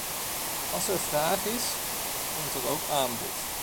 Als er vraag is, komt er ook aanbod.